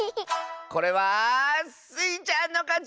これはスイちゃんのかち！